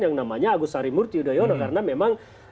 yang namanya agus sari murti udayono karena memang